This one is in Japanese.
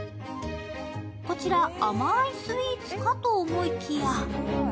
こちら甘いスイーツかと思いきや。